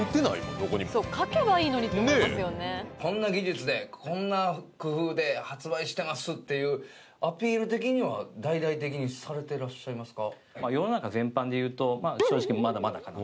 どこにも「こんな技術でこんな工夫で発売してます」っていうアピール的には大々的にされてらっしゃいますか？